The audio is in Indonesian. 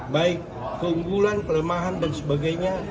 baik keunggulan kelemahan dan sebagainya